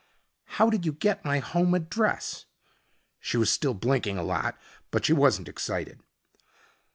"How did you get my home address?" She was still blinking a lot, but she wasn't excited.